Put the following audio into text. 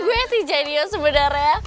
gue sih jenius sebenarnya